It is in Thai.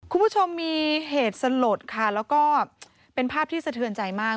คุณผู้ชมมีเหตุสลดค่ะแล้วก็เป็นภาพที่สะเทือนใจมาก